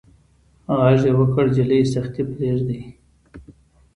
غږ يې کړ وه جلۍ سختي پرېدئ.